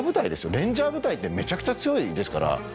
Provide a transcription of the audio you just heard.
レンジャー部隊ってめちゃくちゃ強いですから。